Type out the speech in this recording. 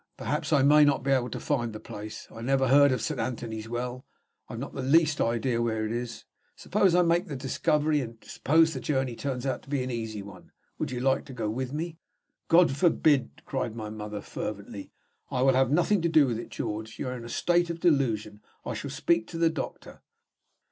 "Perhaps I may not be able to find the place. I never heard of Saint Anthony's Well; I have not the least idea where it is. Suppose I make the discovery, and suppose the journey turns out to be an easy one, would you like to go with me?" "God forbid" cried my mother, fervently. "I will have nothing to do with it, George. You are in a state of delusion; I shall speak to the doctor."